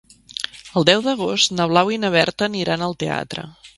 El deu d'agost na Blau i na Berta aniran al teatre.